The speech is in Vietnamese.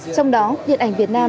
trong đó điện ảnh việt nam